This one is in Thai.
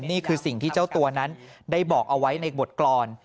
นี่คือสิ่งที่เจ้าตัวนั้นได้บอกเอาไว้ในบทกรรม